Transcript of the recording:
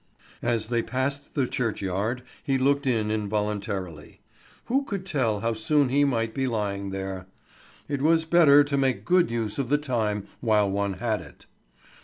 As they passed the churchyard, he looked in involuntarily. Who could tell how soon he might be lying there? It was better to make good use of the time while one had it.